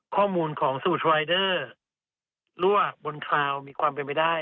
ข้อมูลของสูตรสรายเดอร์รั่วบนคราวมีความเป็นไปได้